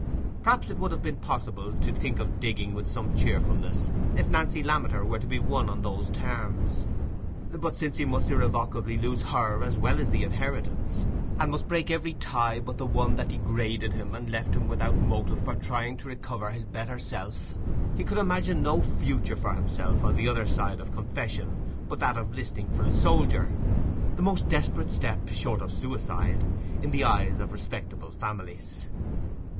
Perhaps it would have been possible to think of digging with some cheerfulness if Nancy Lammeter were to be won on those terms; but, since he must irrevocably lose her as well as the inheritance, and must break every tie but the one that degraded him and left him without motive for trying to recover his better self, he could imagine no future for himself on the other side of confession but that of "'listing for a soldier"—the most desperate step, short of suicide, in the eyes of respectable families.